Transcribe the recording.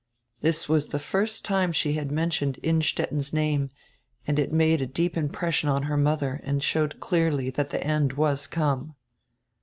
This was the first time she had mentioned Innstetten's name, and it made a deep impression on her mother and showed clearly that the end was come.